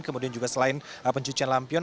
kemudian juga selain pencucian lampion